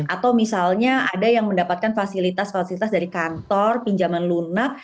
atau misalnya ada yang mendapatkan fasilitas fasilitas dari kantor pinjaman lunak